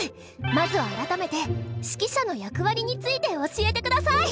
まずは改めて指揮者の役割について教えてください。